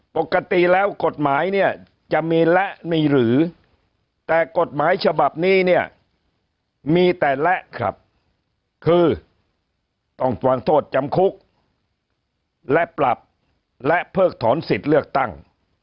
ปกติแล้วกฎหมายเนี่ยจะมีและมีหรือแต่กฎหมายฉบับนี้เนี่ยมีแต่และครับคือต้องฟังโทษจำคุกและปรับและเพิกถอนสิทธิ์เลือกตั้ง